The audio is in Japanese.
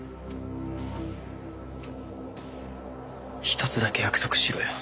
一つだけ約束しろよ。